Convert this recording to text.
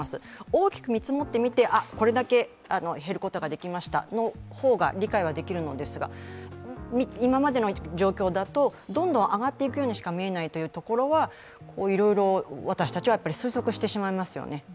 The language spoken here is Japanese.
大きく見積もってみて、これだけ減ることができましたの方が理解はできるのですが、今までの状況だとどんどん上がっていくようにしか見えないというところはいろいろ私たちは推測してしまいますよね。